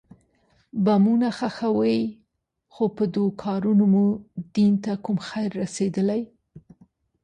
بمونه ښخوئ خو په دو کارونو مو دين ته کوم خير رسېدلى.